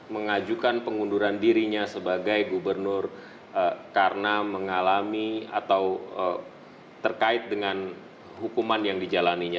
mengajukan pengunduran dirinya sebagai gubernur karena mengalami atau terkait dengan hukuman yang dijalannya